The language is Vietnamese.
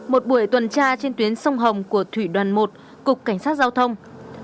một buổi tuần tra trên tuyến sông hồng của thủy đoàn một cục cảnh sát giao thông